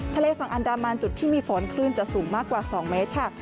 ทะเลฝั่งอันดามันจุดที่มีฝนคลื่นจะสูงมากกว่า๒เมตรค่ะ